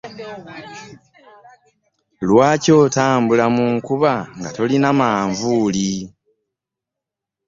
Lwaki otambula mu nkuba nga tolina manvuuli?